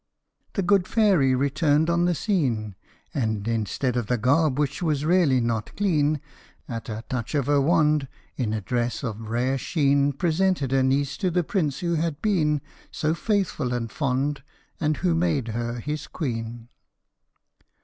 The good fairy returned on the scene, And, instead of the garb which was really not clean, At a touch of her wand, in a dress of rare sheen Presented her niece to the Prince who had been So faithful and fond, and who made her his Queen.